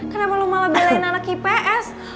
kenapa lu malah belain anak ips